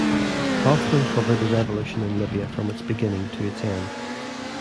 Kofman covered the revolution in Libya from its beginning to its end.